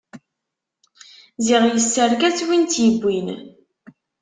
Ziɣ yesserka-tt win tt-iwwin.